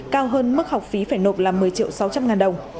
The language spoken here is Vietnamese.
cao hơn mức học phí phải nộp là một mươi triệu sáu trăm linh ngàn đồng